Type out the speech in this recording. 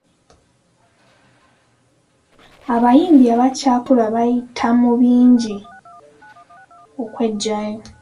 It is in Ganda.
Abayimbi abakyakula bayita mu bingi okweggyayo.